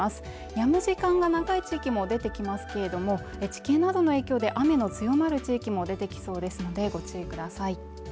止む時間が長い地域も出てきますけれども地形などの影響で雨の強まる地域も出てきそうですのでご注意ください。